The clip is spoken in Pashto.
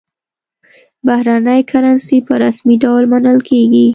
بهرنۍ کرنسي په رسمي ډول منل کېږي.